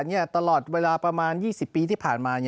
ตลอดเวลาประมาณ๒๐ปีที่ผ่านมา